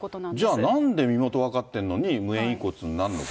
じゃあなんで身元分かってるのに、無縁遺骨になるのか。